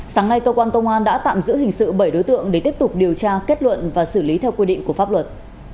sáng nay cơ quan công an đã tạm giữ hình sự bảy đối tượng để tiếp tục điều tra kết luận và xử lý theo quy định của pháp luật